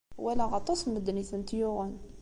Walaɣ aṭas n medden i tent-yuɣen.